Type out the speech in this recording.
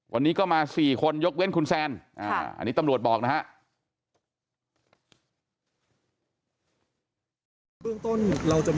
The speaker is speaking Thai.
วันนี้ก็มา๔คนยกเว้นคุณแซนอันนี้ตำรวจบอกนะฮะ